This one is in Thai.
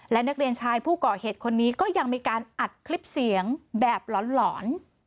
และนักเรียนชายผู้ก่อเหตุคนนี้ก็ยังมีการอัดคลิปเสียงแบบหลอน